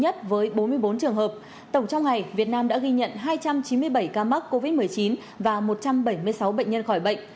nhất với bốn mươi bốn trường hợp tổng trong ngày việt nam đã ghi nhận hai trăm chín mươi bảy ca mắc covid một mươi chín và một trăm bảy mươi sáu bệnh nhân khỏi bệnh